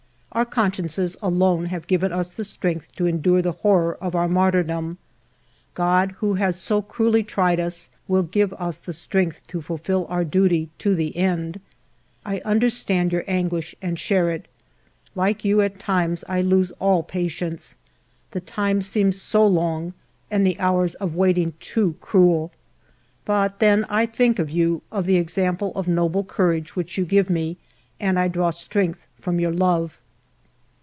Our consciences alone have given us the strength to endure the horror of our martyrdom. God, who has so cruelly tried us, will give us the strength to fulfil our duty to the end. ... I understand your anguish and share it ; like you at times I lose all patience ; the time seems so long and the hours of waiting too cruel ! But then I think of you, of the example of noble courage which you give me, and I draw strength from your love."